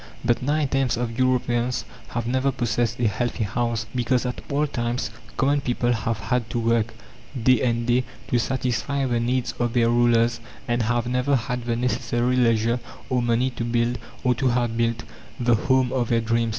But nine tenths of Europeans have never possessed a healthy house, because at all times common people have had to work day after day to satisfy the needs of their rulers, and have never had the necessary leisure or money to build, or to have built, the home of their dreams.